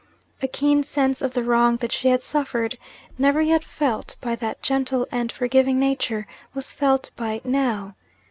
A keen sense of the wrong that she had suffered, never yet felt by that gentle and forgiving nature, was felt by it now.